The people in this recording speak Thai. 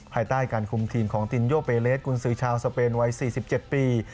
ภายใต้การคุมทีมของตินโยเปเลสกุญสือชาวสเปนวัย๔๗ปี